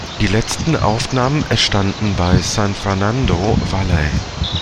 Die letzten Aufnahmen entstanden bei San Fernando Valley.